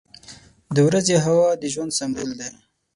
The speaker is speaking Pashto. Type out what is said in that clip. • د ورځې هوا د ژوند سمبول دی.